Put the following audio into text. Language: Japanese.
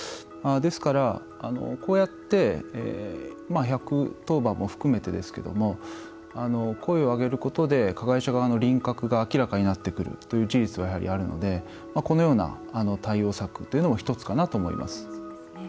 ですから、こうやって１１０番も含めてですけども声を上げることで加害者側の輪郭が明らかになってくるという事実はあるのでこのような対応策も１つかなと思います。